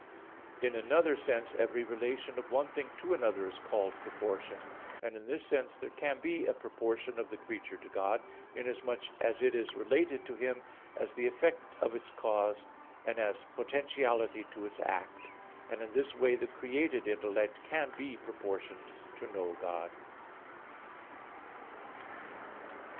In another sense every relation of one thing to another is called proportion. And in this sense there can be a proportion of the creature to God, inasmuch as it is related to Him as the effect of its cause, and as potentiality to its act; and in this way the created intellect can be proportioned to know God.